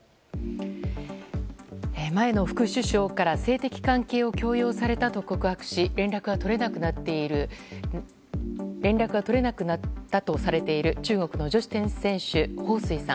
前の副首相から性的関係を強要されたと告白し、連絡が取れなくなったとされている中国の女子テニス選手ホウ・スイさん。